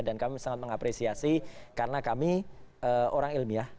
dan kami sangat mengapresiasi karena kami orang ilmiah